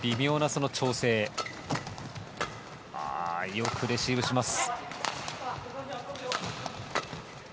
よくレシーブします。